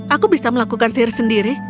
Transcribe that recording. aku bisa melakukan sihir sendiri